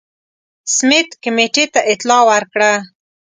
سمیت کمېټې ته اطلاع ورکړه.